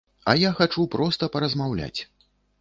А я хачу проста паразмаўляць!